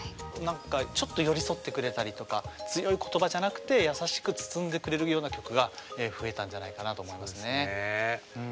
なんかちょっと寄り添ってくれたりとか強い言葉じゃなくて優しく包んでくれるような曲が増えたんじゃないかなと思いますね。